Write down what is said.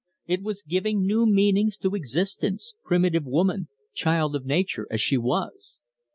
It was giving new meanings to existence primitive woman, child of nature as she was.